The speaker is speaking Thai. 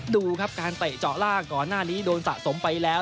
ดูครับการเตะเจาะล่างก่อนหน้านี้โดนสะสมไปแล้ว